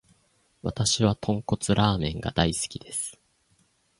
わたしは豚骨ラーメンが大好きです。